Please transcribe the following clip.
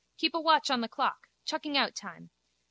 Keep a watch on the clock. Chuckingout time.